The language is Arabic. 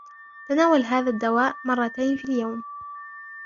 تناول هذا الدواء مرّتين في اليوم.